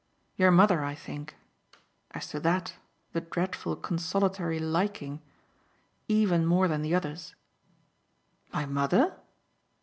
Your mother, I think as to THAT, the dreadful consolatory 'liking' even more than the others." "My mother?"